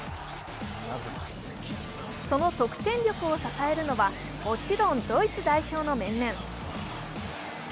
その得点力を支えるのはもちろんドイツ代表の面々。